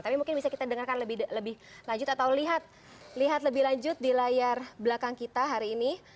tapi mungkin bisa kita dengarkan lebih lanjut atau lihat lebih lanjut di layar belakang kita hari ini